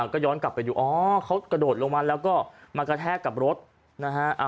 ก็ย้อนกลับไปดูอ๋อเขากระโดดลงมาแล้วก็มากระแทกกับรถนะฮะ